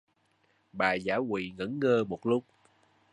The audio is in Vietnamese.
Bà dã quỳ ngẩn ngơ một lúc